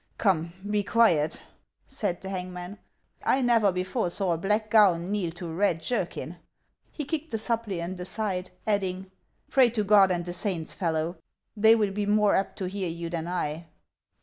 " Come, be quiet !" said the hangman. " I never before saw a black gown kneel to a red jerkin." He kicked the suppliant aside, adding :" Pray to God and the saints, fellow ; they will be more apt to hear you than 1."